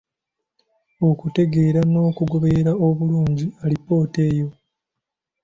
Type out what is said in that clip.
Okutegera era n'okugoberera obulungi alipoota eyo.